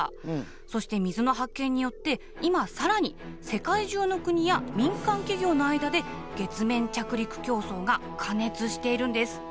そして水の発見によって今さらに世界中の国や民間企業の間で月面着陸競争が過熱しているんです。